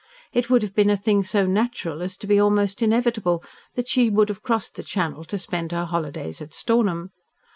It would have been a thing so natural as to be almost inevitable, that she would have crossed the Channel to spend her holidays at Stornham.